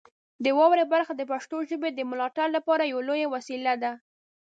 د واورئ برخه د پښتو ژبې د ملاتړ لپاره یوه لویه وسیله ده.